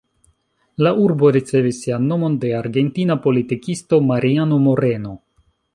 La urbo ricevis sian nomon de argentina politikisto Mariano Moreno.